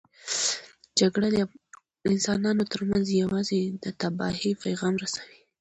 جګړه د انسانانو ترمنځ یوازې د تباهۍ پیغام رسوي.